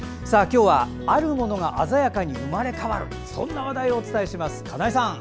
今日は、あるものが鮮やかに生まれ変わるそんな話題をお伝えします。